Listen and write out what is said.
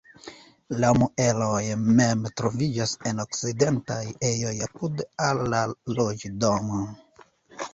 La muelejo mem troviĝis en okcidentaj ejoj apudaj al la loĝdomo.